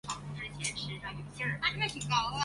歌词竞赛进行的同时举行了歌谱竞赛。